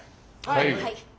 はい。